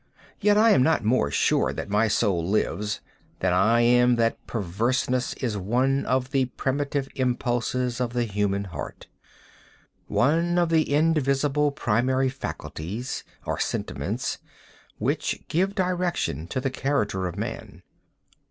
Yet I am not more sure that my soul lives, than I am that perverseness is one of the primitive impulses of the human heart—one of the indivisible primary faculties, or sentiments, which give direction to the character of Man.